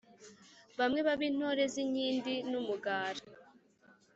bamwe babe intore z’inkindi n’umugara